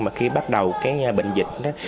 mà khi bắt đầu cái bệnh dịch đó